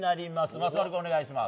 松丸君、お願いします。